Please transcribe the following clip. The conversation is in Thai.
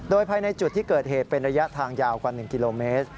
โดยภายในจุดที่เกิดเหตุเป็นระยะทางยาวกว่า๑กิโลเมตร